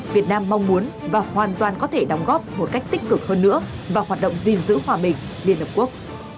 việt nam mong muốn và hoàn toàn có thể đóng góp một cách tích cực hơn nữa vào hoạt động gìn giữ hòa bình liên hợp quốc